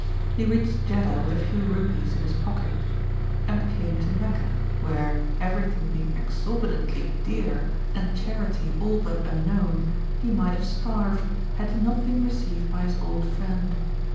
He reached Jeddah with a few rupees in his pocket[;] and came to Meccah, where, everything being exorbitantly dear and charity all but unknown, he might have starved, had he not been received by his old friend.